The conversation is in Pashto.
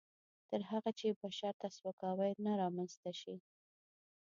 تر هغه چې بشر ته سپکاوی نه رامنځته شي.